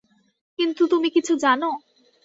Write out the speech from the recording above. কিন্তু তুমি কিছু জানো?